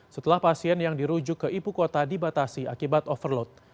setelah pasien yang dirujuk ke ibu kota dibatasi akibat overload